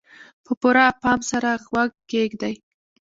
په پوره پام سره غوږ کېږدئ.